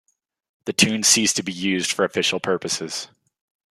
The tune ceased to be used for official purposes.